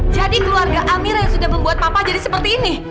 jadi keluarga amirah yang sudah membuat papa jadi seperti ini